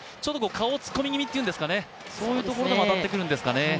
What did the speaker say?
顔を突っ込み気味というんですか、そういうところでも当たってくるんですかね。